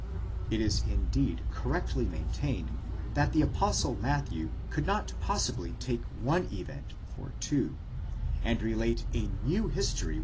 6 It is indeed correctly maintained, that the Apostle Matthew could not possibly take one event for two, and relate a new history which 8.